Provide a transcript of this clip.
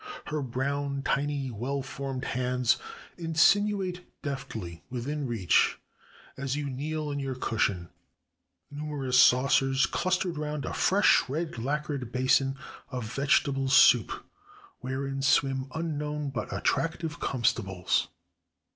Her brown, tiny, well formed hands insinuate deftly within reach, as you kneel on your cushion, numerous saucers clustered round a fresh red lacquer basin of vegetable soup, wherein swim unknown but attractive comestibles.